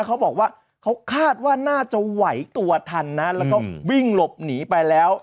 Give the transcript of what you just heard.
เขาบอกว่าเขาคาดว่าน่าจะไหวตัวทันนะแล้วก็วิ่งหลบหนีไปแล้ว